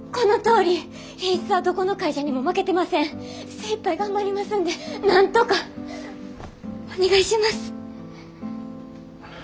精いっぱい頑張りますんでなんとか。お願いします。